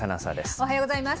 おはようございます。